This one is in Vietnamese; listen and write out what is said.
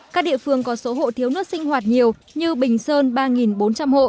các địa phương có số hộ thiếu nước sinh hoạt nhiều như bình sơn ba bốn trăm linh hộ